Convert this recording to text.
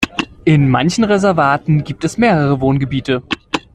In manchen Reservaten gibt es mehrere Wohngebiete.